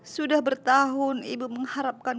sudah bertahun ibu mengharapkan